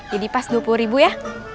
jadi pas rp dua puluh ya